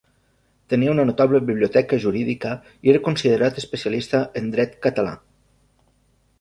Tenia una notable biblioteca jurídica i era considerat especialista en dret català.